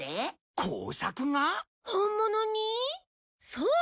そう！